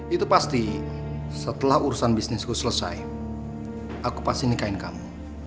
itu pasti setelah urusan bisnisku selesai aku pasti nikahin kamu